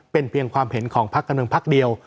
เป็นเพียงความเห็นของพักการเมืองพักเดียว